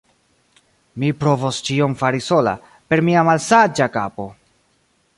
mi provos ĉion fari sola, per mia malsaĝa kapo!